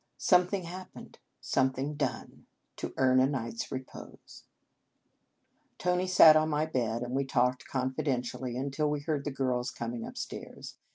" Some 142 Un Conge sans Cloche thing attempted, something done, to ea rn a night s repose." Tony sat on my bed, and we talked confidentially until we heard the girls coming up stairs.